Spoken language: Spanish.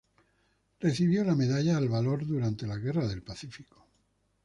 Recibió la medalla al valor durante la Guerra del Pacífico.